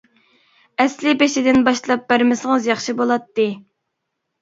ئەسلى بېشىدىن باشلاپ بەرمىسىڭىز ياخشى بولاتتى.